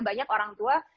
banyak orang tua